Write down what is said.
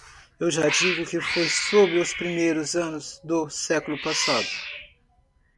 Eu já digo que foi sobre os primeiros anos do século passado.